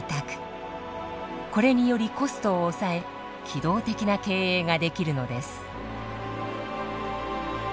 これによりコストを抑え機動的な経営ができるのです。